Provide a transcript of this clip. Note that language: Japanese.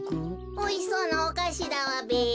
おいしそうなおかしだわべ。